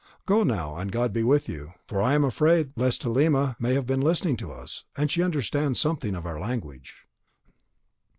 Go now, and God be with you; for I am afraid lest Halima may have been listening to us, and she understands something of our language."